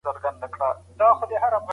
لمر د وینې فشار تنظیموي.